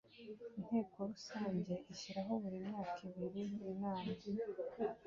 inteko rusange ishyiraho buri myaka ibiri inama